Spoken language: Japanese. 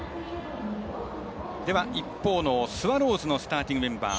一方のスワローズのスターティングメンバー。